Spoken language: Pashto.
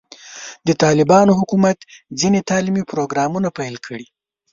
د طالبانو حکومت ځینې تعلیمي پروګرامونه پیل کړي.